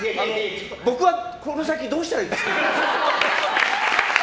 僕はこの先どうしたらいいですか？